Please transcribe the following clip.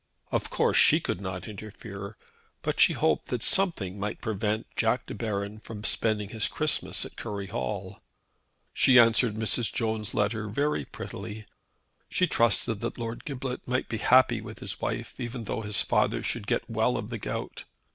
Of course she could not interfere, but she hoped that something might prevent Jack De Baron from spending his Christmas at Curry Hall. She answered Mrs. Jones' letter very prettily. She trusted that Lord Giblet might be happy with his wife, even though his father should get well of the gout.